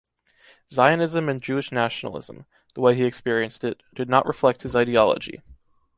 Zionism and Jewish nationalism, the way he experienced it, did not reflect his ideology.